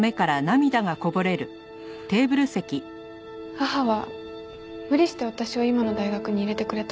母は無理して私を今の大学に入れてくれたんです。